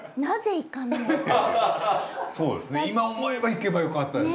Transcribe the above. そうですね今思えば行けばよかったですね。